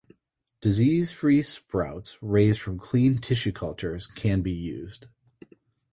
Disease-free sprouts raised from clean tissue cultures can be used.